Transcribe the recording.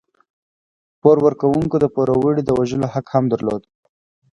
پور ورکوونکو د پوروړي د وژلو حق هم درلود.